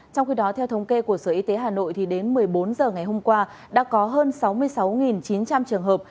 trong khi đó theo thống kê của sở y tế hà nội đến một mươi bốn h ngày hôm qua đã có hơn sáu mươi sáu chín trăm linh trường hợp